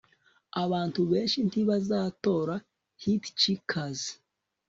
abantu benshi ntibazatora hitchikers